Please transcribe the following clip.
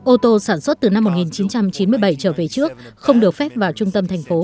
ô tô sản xuất từ năm một nghìn chín trăm chín mươi bảy trở về trước không được phép vào trung tâm thành phố